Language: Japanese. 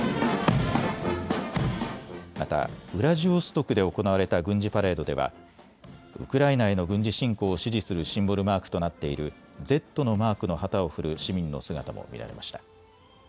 またウラジオストクで行われた軍事パレードではウクライナへの軍事侵攻を支持するシンボルマークとなっているＺのマークの旗を振る市民の姿も見られました。